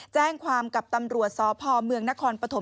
แจ้งความกับตำรวจสพเมืองนครปฐม